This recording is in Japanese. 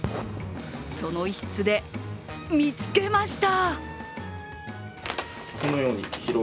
その一室で見つけました！